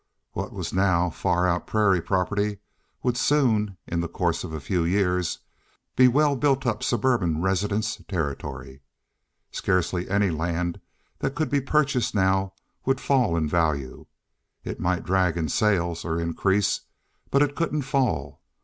What was now far out prairie property would soon, in the course of a few years, be well built up suburban residence territory. Scarcely any land that could be purchased now would fall in value. It might drag in sales or increase, but it couldn't fall.